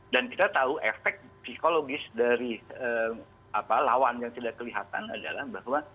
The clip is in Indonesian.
dan kita tahu efek psikologis dari lawan yang tidak kelihatan adalah bahwa